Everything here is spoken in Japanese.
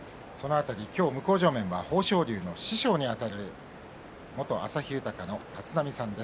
今日、向正面は豊昇龍の師匠にあたる元旭豊の立浪さんです。